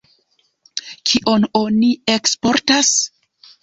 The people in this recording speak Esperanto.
Kion oni eksportas?